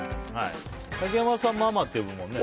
竹山さん、ママって呼ぶもんね。